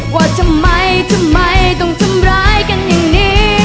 ว่าทำไมทำไมต้องทำร้ายกันอย่างนี้